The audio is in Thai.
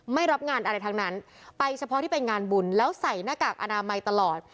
ไม่รับงานอะไรทั้งนั้นไปเฉพาะที่ไปงานบุญแล้วใส่หน้ากากอนามัยตลอด